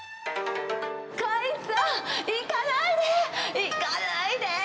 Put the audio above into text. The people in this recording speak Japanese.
貫一さん、行かないで、行かないでー。